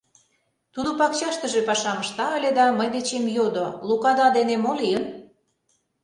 Тудо пакчаштыже пашам ышта ыле да мый дечем йодо: «Лукада дене мо лийын?